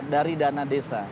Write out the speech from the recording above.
dari dana desa